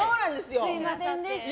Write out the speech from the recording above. すみませんでした。